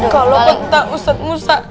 kalo betah ustadz musa